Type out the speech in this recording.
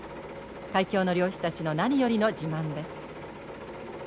海峡の漁師たちの何よりの自慢です。